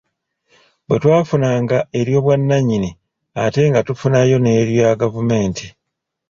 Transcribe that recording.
Bwe twafunanga ery’obwannannyini ate nga tufunayo n’erya gavumenti.